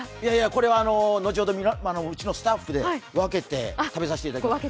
これは後ほどうちのスタッフで分けて食べさせていただきます。